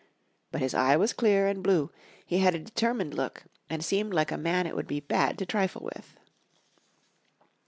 But his eye was clear and blue, he had a determined look, and seemed like a man it would be bad to trifle with.